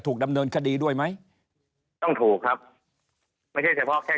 ดำเนินคดีด้วยไหมต้องถูกครับไม่ใช่เฉพาะแค่